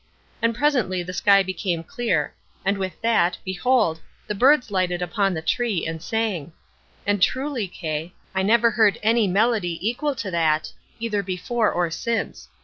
And presently the sky became clear, and with that, behold, the birds lighted upon the tree, and sang. And truly, Kay, I never heard any melody equal to that, either before or since.